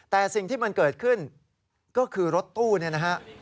แต่สิ่งที่มันเกิดขึ้นก็คือรถตู้เนี่ยนะฮะ